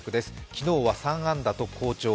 昨日は３安打と好調。